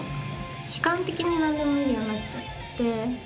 悲観的に何でも見るようになっちゃって。